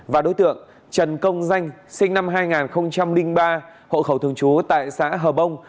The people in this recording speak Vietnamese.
và đối tượng trần công danh sinh năm hai nghìn ba hộ khẩu thường trú tại xã hờ bông